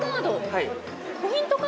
はい。